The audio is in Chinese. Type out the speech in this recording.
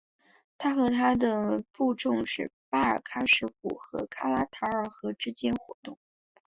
他和他的部众是巴尔喀什湖和卡拉塔尔河之间活动。